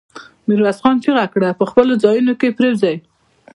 ميرويس خان چيغه کړه! په خپلو ځايونو کې پرېوځي.